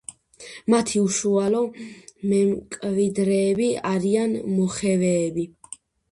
მათი უშუალო მემკვიდრეები არიან მოხევეები.